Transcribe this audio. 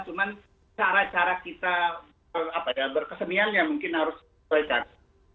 cuman cara cara kita berkesemiannya mungkin harus selesai